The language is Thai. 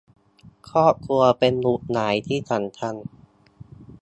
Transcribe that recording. ครอบครัวเป็นหมุดหมายที่สำคัญ